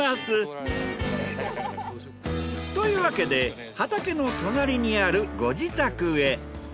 というわけで畑の隣にあるご自宅へ。